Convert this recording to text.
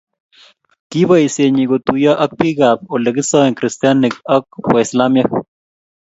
Koboisienyi kotuiyo ak bikap Ole kisoe kristianik ak waislamiek